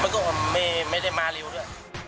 มันก็ไม่ได้มาเร็วด้วย